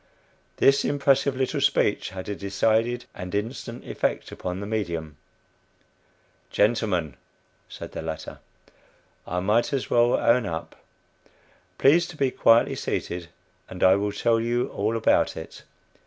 This impressive little speech had a decided and instant effect upon the "medium." "Gentlemen," said the latter, "I might as well own up. Please to be quietly seated, and I will tell you all about it."